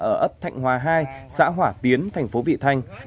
ở ấp thạnh hòa hai xã hỏa tiến thành phố vị thanh